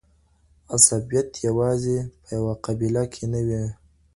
عصبیت یوازې په یوه قبیله کي نه وي.